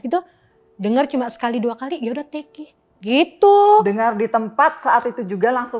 itu dengar cuma sekali dua kali ya udah ticky gitu dengar di tempat saat itu juga langsung